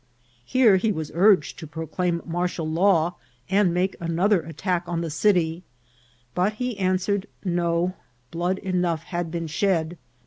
Here he was urged to proclaim martial law, and make another attack on the city ; but he an swered no ; blood enough had been shed.